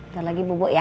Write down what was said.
nanti lagi bu bu ya